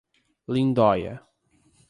Lindóia